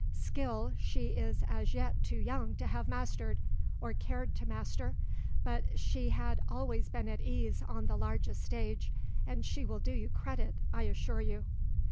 "Skill she is as yet too young to have mastered or cared to master. But she had always been at ease on the largest stage, and she will do you credit, I assure you."